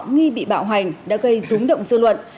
nghi bị bạo hành đã gây rúng động dư luận